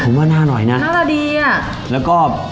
ผมว่าหน้าหน่อยนะถามได้มั้ยดีอะและก็